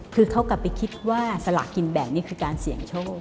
คือเขากลับไปคิดว่าสลากกินแบ่งนี่คือการเสี่ยงโชค